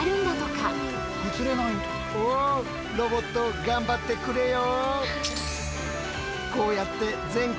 ロボット頑張ってくれよ。